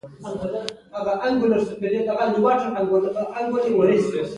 اسمان ته ګورو ګوندې د ورېځو کومه ورا راشي.